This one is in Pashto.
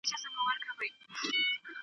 زموږ دي ژوندون وي د مرګ په خوله کي .